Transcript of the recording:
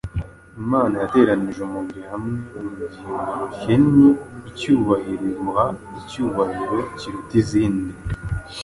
imana yateranije umubiri hamwe, urugingo rukennye icyubahiro iruha icyubahiro kiruta izindi